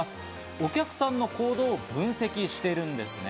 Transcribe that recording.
お客さんの行動を分析しているんですね。